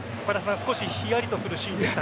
少しヒヤリとするシーンでした。